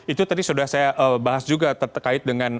itu tadi sudah saya bahas juga terkait dengan